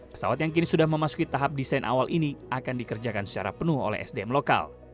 pesawat yang kini sudah memasuki tahap desain awal ini akan dikerjakan secara penuh oleh sdm lokal